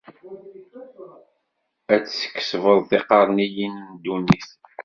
Ad tkesbeḍ tiqerniyin n ddunit.